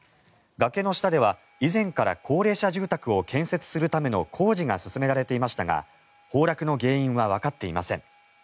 崖の下では以前から高齢者住宅を建設するための工事が進められていましたが崩落の原因はわかっていません。